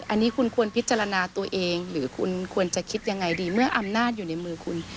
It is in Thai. อันนี้คุณควรพิจารณาตัวเองหรือคุณควรจะคิดยังไงดีเมื่ออำนาจอยู่ในมือคุณ